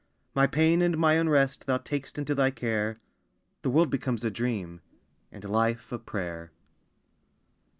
My pain and my unrest Thou tak'st into thy care. The world becomes a dream, And life a prayer.